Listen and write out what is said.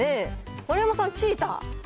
丸山さん、チーター。